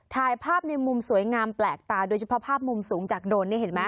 ถ่ายภาพในมุมสวยงามแปลกตาโดยเฉพาะภาพมุมสูงจากโดรนนี่เห็นไหม